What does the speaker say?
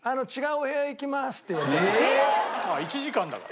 １時間だから。